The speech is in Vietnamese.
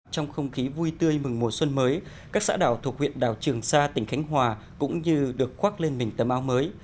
trong không khí vui tươi mừng mùa xuân mới các xã đảo thuộc huyện đảo trường sa tỉnh khánh hòa cũng như được khoác lên mình tầm áo mới